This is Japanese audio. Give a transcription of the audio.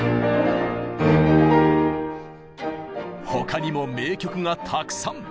他にも名曲がたくさん！